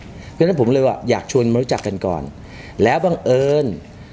เพราะฉะนั้นผมเลยว่าอยากชวนมารู้จักกันก่อนแล้วบังเอิญ